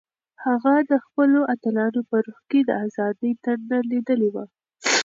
هغه د خپلو اتلانو په روح کې د ازادۍ تنده لیدلې وه.